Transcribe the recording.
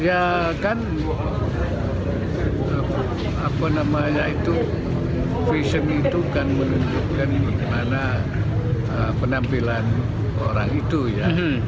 ya kan apa namanya itu fashion itu kan menunjukkan bagaimana penampilan orang itu ya